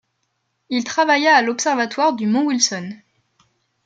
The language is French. Il travailla à l'observatoire du Mont Wilson.